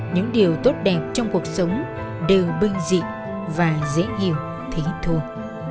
những điều tốt đẹp trong cuộc sống đều bình dị và dễ hiểu thấy thuộc